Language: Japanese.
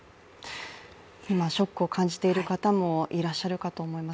今ショックを感じている方もいらっしゃると思います。